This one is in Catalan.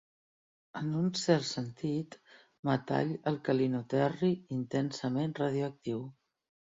En un cert sentit, metall alcalinoterri intensament radioactiu.